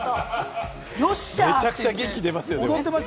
めちゃくちゃ元気でますよね。